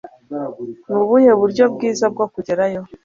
Nubuhe buryo bwiza bwo kugerayo?